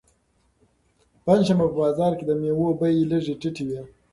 پنجشنبه په بازار کې د مېوو بیې لږې ټیټې وي.